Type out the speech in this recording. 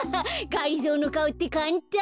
がりぞーのかおってかんたん。